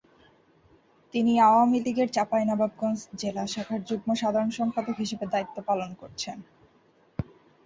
তিনি আওয়ামী লীগের চাঁপাইনবাবগঞ্জ জেলা শাখার যুগ্ম সাধারণ সম্পাদক হিসেবে দায়িত্ব পালন করছেন।